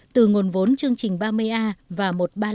từ nguồn vốn chương trình ba mươi a và một trăm ba mươi